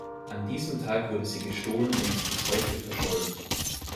An diesem Tag wurde sie gestohlen und ist bis heute verschollen.